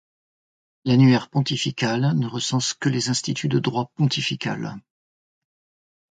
L'Annuaire pontifical ne recense que les Instituts de droit pontifical.